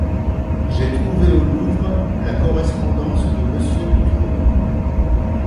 J'ai trouvé au Louvre la correspondance de Monsieur de Tournon.